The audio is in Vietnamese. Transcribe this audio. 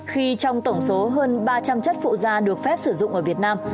khi trong tổng số hơn ba trăm linh chất phụ da được phép sử dụng ở việt nam